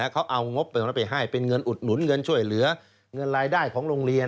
เขาเอางบไปให้เป็นเงินอุดหนุนเงินช่วยเหลือเงินรายได้ของโรงเรียน